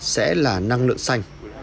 sẽ là năng lượng xanh